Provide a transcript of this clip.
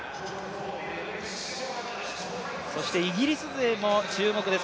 そしてイギリス勢も注目です。